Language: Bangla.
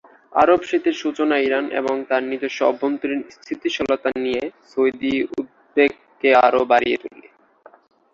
আরব শীতের সূচনা ইরান এবং তার নিজস্ব অভ্যন্তরীণ স্থিতিশীলতা নিয়ে সৌদি উদ্বেগ কে আরও বাড়িয়ে তোলে।